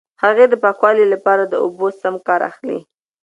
هغې د پاکوالي لپاره د اوبو سم کار اخلي.